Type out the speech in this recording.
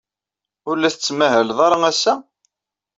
Ur la tettmahaled ara ass-a?